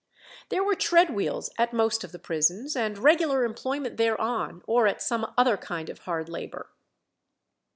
There were tread wheels at most of the prisons, and regular employment thereon or at some other kind of hard labour.